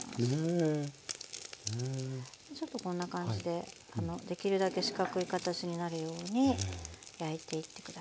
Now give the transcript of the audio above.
ちょっとこんな感じでできるだけ四角い形になるように焼いていって下さい。